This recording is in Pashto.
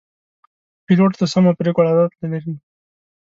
پیلوټ د سمو پرېکړو عادت لري.